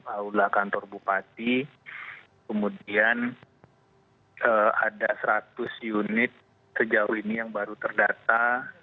aula kantor bupati kemudian ada seratus unit sejauh ini yang baru terdata